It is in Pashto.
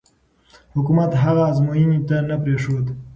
حکومت هغه ازموینې ته نه پرېښود.